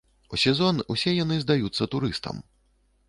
У сезон усе яны здаюцца турыстам.